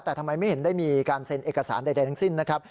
แต่ทำไมไม่เห็นได้มีการเซ็นเอกสารใดทั้งสิ้นนะครับ